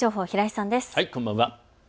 こんばんは。